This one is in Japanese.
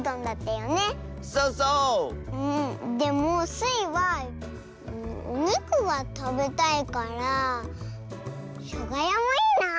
でもスイはおにくがたべたいから「しょがや」もいいなあ。